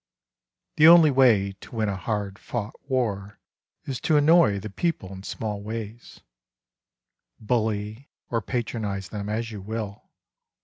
The only way to win a hard fought war Is to annoy the people in small ways, Bully or patronise them, as you will